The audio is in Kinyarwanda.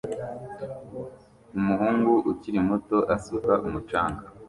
Umuhungu ukiri muto asuka umucanga